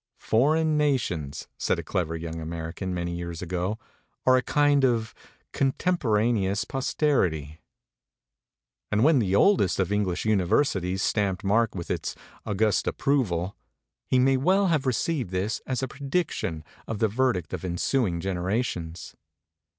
" Foreign nations/ ' said a clever young American many years ago, "are a kind of contemporane ous posterity"; and when the oldest of English universities stamped Mark with its august ap proval, he may well have received this as a pre diction of the verdict of ensuing generations.